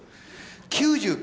９９